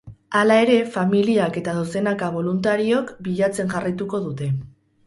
Hala ere, familiak eta dozenaka boluntariok bilatzen jarraituko dute.